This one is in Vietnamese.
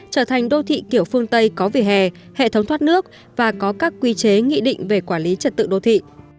trở thành đô thị kiểu phương tây có vỉa hè hệ thống thoát nước và có các quy chế nghị định về quản lý trật tự đô thị